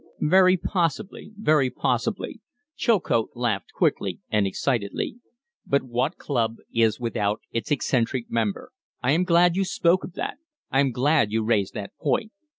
"Very possibly. Very possibly." Chilcote laughed quickly and excitedly. "But what club is without its eccentric member? I am glad you spoke of that. I am glad you raised that point.